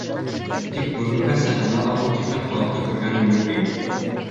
Тик бөгөнгәсә бинала ул тиклем халыҡты күргәнем юҡ ине.